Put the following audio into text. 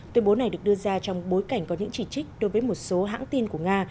tuyên bố này được đưa ra trong bối cảnh có những chỉ trích đối với một số hãng tin của nga